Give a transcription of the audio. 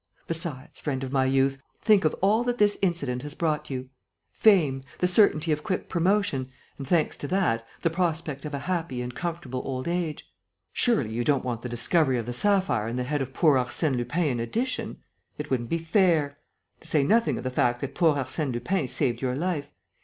Besides, friend of my youth, think of all that this incident has brought you: fame, the certainty of quick promotion and, thanks to that, the prospect of a happy and comfortable old age! Surely, you don't want the discovery of the sapphire and the head of poor Arsène Lupin in addition! It wouldn't be fair. To say nothing of the fact that poor Arsène Lupin saved your life....